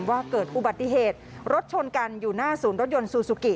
ว่าเกิดอุบัติเหตุรถชนกันอยู่หน้าศูนย์รถยนต์ซูซูกิ